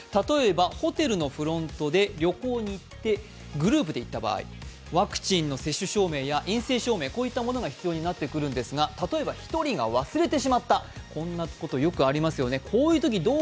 例えば、ホテルのフロントで旅行に行ってグループで行った場合、ワクチンの接種証明や陰性証明、こういったものが必要になってくるんですが例えば１人が忘れてしまったこんなことよくありますよね。